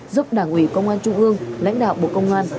giúp đảng ủy công an trung ương lãnh đạo bộ công an